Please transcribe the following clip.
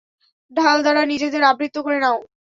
ঢাল দ্বারা নিজেদের আবৃত করে নাও।